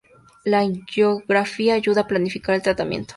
La angiografía ayuda a planificar el tratamiento.